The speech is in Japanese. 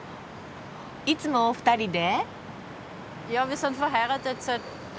いつもお二人で？